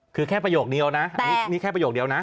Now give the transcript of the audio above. คือแค่ประโยคเดียวนะอันนี้แค่ประโยคเดียวนะ